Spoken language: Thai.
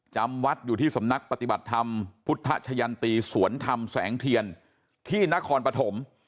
จำวัดอยู่ที่สำนักปฏิบัติธรรมพุทธชะยันตีสวนธรรมแสงเทียนที่นครปฐม